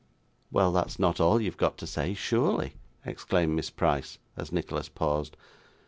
'Well; that's not all you have got to say surely,' exclaimed Miss Price as Nicholas paused.